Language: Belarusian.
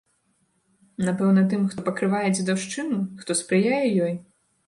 Напэўна, тым, хто пакрывае дзедаўшчыну, хто спрыяе ёй?